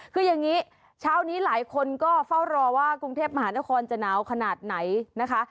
คืออย่างนี้เช้านี้หลายคนก็เฝ้ารอว่ากรุงเทพมหานครจะหนาวขนาดไหนนะคะ